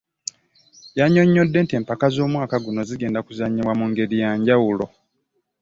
Yannyonnyodde nti empaka z'omwaka guno zigenda kuzannyibwa mu ngeri ya njawulo.